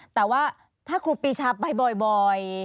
แต่ว่าถ้าคุณปีชาไปแบบบอย